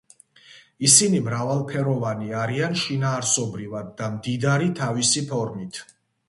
ისინი მრავალფეროვანი არიან შინაარსობრივად და მდიდარი თავისი ფორმით.